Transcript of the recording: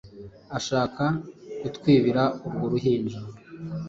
ashaka kutwibira urwo ruhinja